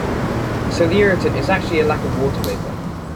So the irritant is actually a lack of water vapour.